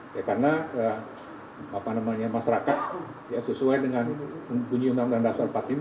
ya karena masyarakat sesuai dengan bunyi undang undang dasar empat puluh lima